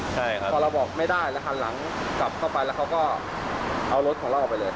ใช่ครับพอเราบอกไม่ได้แล้วหันหลังกลับเข้าไปแล้วเขาก็เอารถของเราออกไปเลย